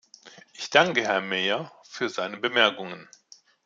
Ich danke Herrn Meijer für seine Bemerkungen.